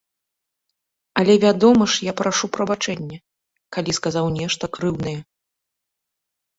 Але вядома ж я прашу прабачэння, калі сказаў нешта крыўднае.